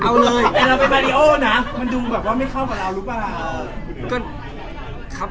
แต่เราเป็นบาริโอนะมันดูแบบว่าไม่เข้ากับเรารู้ป่าว